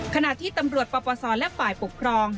ขณะที่ตำรวจประปวัติศาสตร์และฝ่ายปกครอง